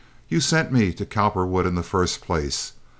You sent me to Cowperwood in the first place.